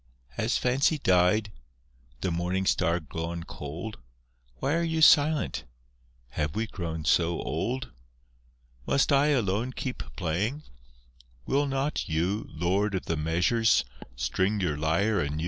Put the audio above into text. Has Fancy died? The Morning Star gone cold? Why are you silent? Have we grown so old? Must I alone keep playing? Will not you, Lord of the Measures, string your lyre anew?